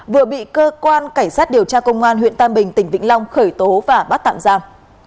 vừa bị cơ quan cảnh sát điều tra công an huyện tam bình tỉnh vĩnh long khởi tố và bắt tạm giam